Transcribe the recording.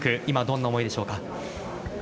今、どういった思いでしょうか。